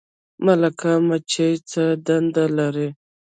ملکه مچۍ څه دنده لري؟